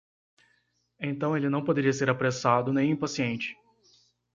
Então ele não poderia ser apressado nem impaciente.